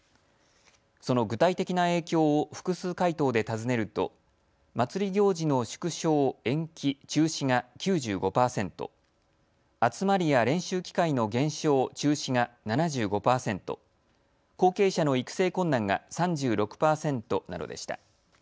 その具体的な影響を複数回答で尋ねると祭り行事の縮小、延期・中止が９５％、集まりや練習機会の減少・中止が７５％、後継者の育成困難が３６％などでした。